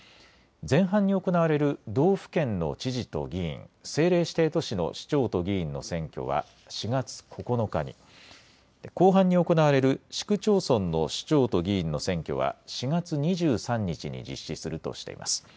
前半に行われる道府県の知事と議員、政令指定都市の市長と議員の選挙は４月９日に、後半に行われる市区町村の首長と議員の選挙は４月２３日に実施するとしています。